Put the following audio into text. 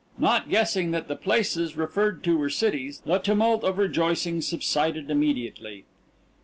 Not guessing that the places referred to were cities, the tumult of rejoicing subsided immediately.